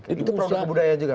itu produk kebudayaan juga